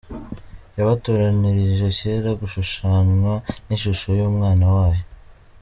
yabatoranirije kera gushushanywa n’ishusho y’Umwana wayo.